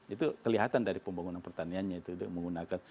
itu kelihatan dari pembangunan pertaniannya itu untuk menggunakan